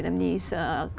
khi đến đây